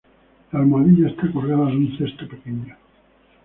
La almohadilla está colgada de un cesto pequeño.